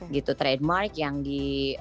gitu trademark yang di